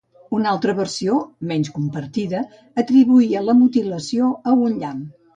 Una altra versió, menys compartida, atribuïa la mutilació a un llamp.